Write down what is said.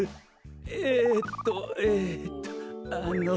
えっとえっとあの。